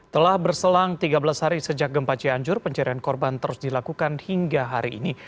telah berselang tiga belas hari sejak gempa cianjur pencarian korban terus dilakukan hingga hari ini